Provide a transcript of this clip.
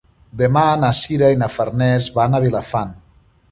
Demà na Sira i na Farners van a Vilafant.